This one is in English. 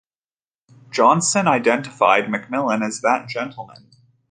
Johnston identified Macmillan as that gentleman.